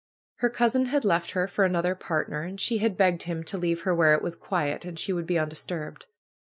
Her cousin had left her for another part ner and she had begged him to leave her where it was quiet and she would be undisturbed.